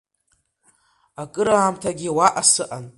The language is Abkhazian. Акыраамҭагьы уаҟа сыҟан.